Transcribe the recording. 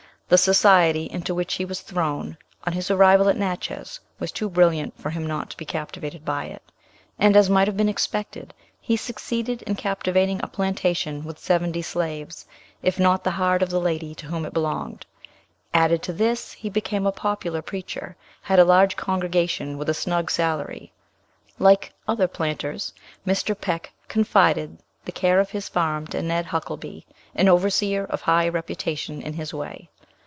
The society into which he was thrown on his arrival at Natchez was too brilliant for him not to be captivated by it; and, as might have been expected, he succeeded in captivating a plantation with seventy slaves, if not the heart of the lady to whom it belonged. Added to this, he became a popular preacher, had a large congregation with a snug salary. Like other planters, Mr. Peck confided the care of his farm to Ned Huckelby, an overseer of high reputation in his way.